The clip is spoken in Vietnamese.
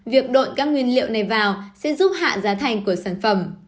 việc đổi các nguyên liệu này vào sẽ giúp hạ giá thành của sản phẩm